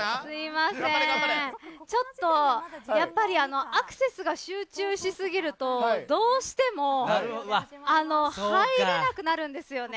ちょっとアクセスが集中しすぎるとどうしても入れなくなるんですよね。